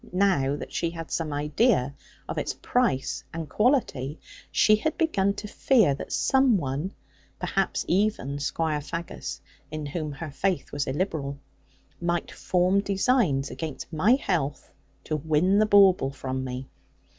Now that she had some idea of its price and quality, she had begun to fear that some one, perhaps even Squire Faggus (in whom her faith was illiberal), might form designs against my health, to win the bauble from me.